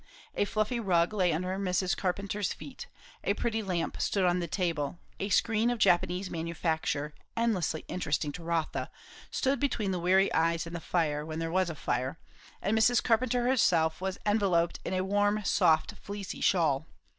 A fluffy rug lay under Mrs. Carpenter's feet; a pretty lamp stood on the table; a screen of Japanese manufacture, endlessly interesting to Rotha, stood between the weary eyes and the fire, when there was a fire; and Mrs. Carpenter herself was enveloped in a warm, soft fleecy shawl.